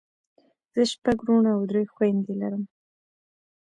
زه شپږ وروڼه او درې خويندې لرم.